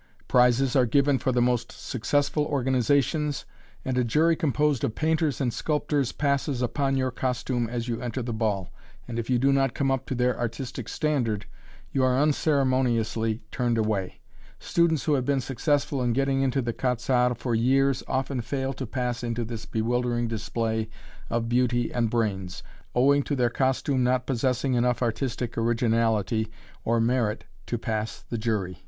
Prizes are given for the most successful organizations, and a jury composed of painters and sculptors passes upon your costume as you enter the ball, and if you do not come up to their artistic standard you are unceremoniously turned away. Students who have been successful in getting into the "Quat'z' Arts" for years often fail to pass into this bewildering display of beauty and brains, owing to their costume not possessing enough artistic originality or merit to pass the jury.